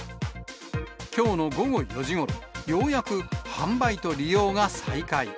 きょうの午後４時ごろ、ようやく販売と利用が再開。